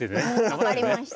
分かりました。